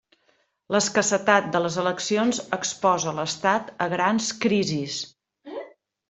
L'escassetat de les eleccions exposa l'Estat a grans crisis.